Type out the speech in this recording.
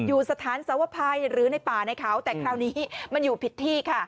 อยู่สถานสวภัยหรือในป่าในเขาแต่คราวนี้มันอยู่ผิดที่ค่ะ